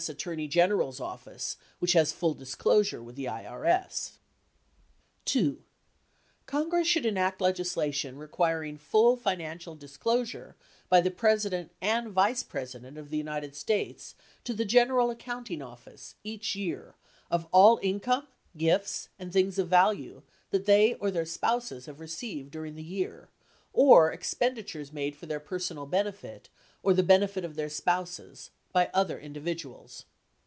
Attorney General's Office, which has full disclosure with the IRS. 2. Congress should enact legislation requiring full financial dis closure by the President and Vice President of the United States to the General Accounting Office each year of all income, gifts, and things of value that they or their spouses have received during the year or expenditures made for their personal benefit or the benefit of their spouses by other individuals.